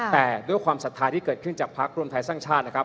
แต่ด้วยความศรัทธาที่เกิดขึ้นจากพักรวมไทยสร้างชาตินะครับ